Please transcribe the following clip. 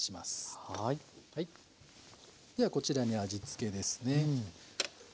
ではこちらに味付けですね。